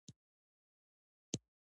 کتاب د انسان تر ټولو غوره ملګری کېدای سي.